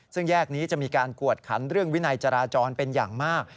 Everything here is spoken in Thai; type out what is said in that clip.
ซึ่งแยกนี้จะมีการกวดขันเรื่องวินัยจราจรเป็นอย่างมาก